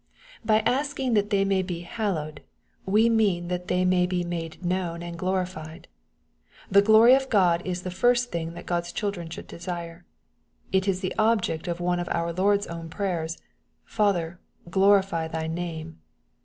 By asking that they may be "hallowed," we mean that they may be made known and glorified. The glory of Gk)d is the first thing that G od's children should desire. It is the object of one of our Lord's own prayers :" Father, glorify thy name."